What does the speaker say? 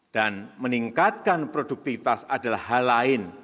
dan meningkatkan produktivitas adalah hal lain